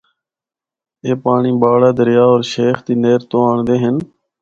اے پانڑی باڑہ دریا ہور شیخ دی نہر تو آنڑدے ہن۔